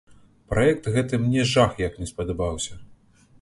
Праект гэты мне жах як не спадабаўся.